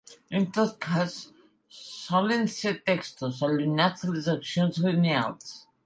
En tot cas solen ser textos allunyats de les accions lineals.